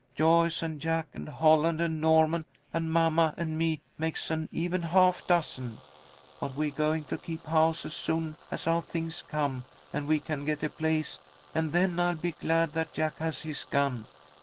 Joyce and Jack and Holland and Norman and mamma and me makes an even half dozen. But we're going to keep house as soon as our things come and we can get a place, and then I'll be glad that Jack has his gun.